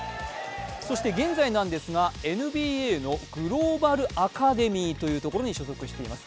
そして現在なんですがＮＢＡのグローバルアカデミーというところに所属しています。